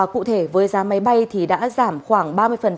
cụ thể với giá máy bay đã giảm khoảng ba mươi